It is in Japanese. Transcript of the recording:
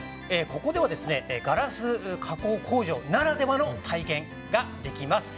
ここではガラス加工工場ならではの体験ができます。